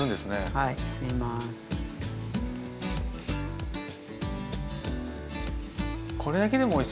はい。